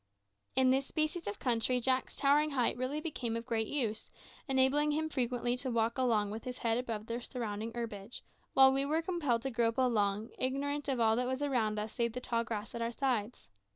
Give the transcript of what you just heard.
In this species of country Jack's towering height really became of great use, enabling him frequently to walk along with his head above the surrounding herbage, while we were compelled to grope along, ignorant of all that was around us save the tall grass at our sides.